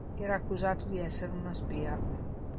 Era accusato di essere una spia.